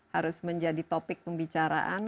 harus menjadi topik pembicaraan